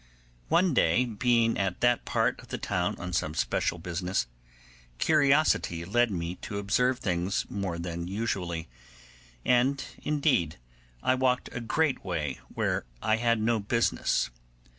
One day, being at that part of the town on some special business, curiosity led me to observe things more than usually, and indeed I walked a great way where I had no business.